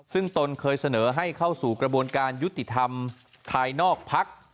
ซึ่งตนเคยเสนอให้เข้าสู่กระบวนการยุติธรรมภายนอกพัก